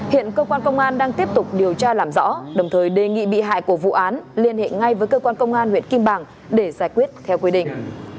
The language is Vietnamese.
hiện cơ quan công an đang tiếp tục điều tra làm rõ đồng thời đề nghị bị hại của vụ án liên hệ ngay với cơ quan công an huyện kim bảng để giải quyết theo quy định